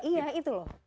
iya itu loh